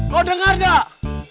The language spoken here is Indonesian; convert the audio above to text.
kau dengar gak